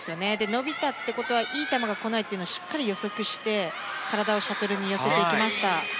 伸びたということはいい球が来ないというのをしっかり予測して体をシャトルに寄せていきました。